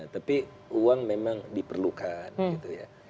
tapi uang memang diperlukan gitu ya